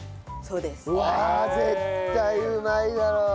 うわ絶対うまいだろ。